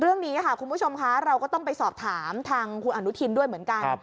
เรื่องนี้ค่ะคุณผู้ชมคะเราก็ต้องไปสอบถามทางคุณอนุทินด้วยเหมือนกัน